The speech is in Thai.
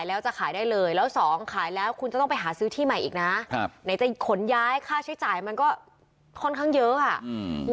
แต่แบบนี้มีค่าใช้จ่ายมันก็ค่อนข้างเยอะอะ